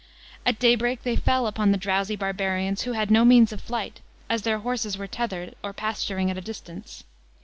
At daybreak they fell upon the drowsy barbarians, who had no means of flight, as their horses were tethered or pasturing at a distance.